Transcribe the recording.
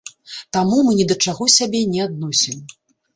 Таму мы ні да чаго сябе не адносім.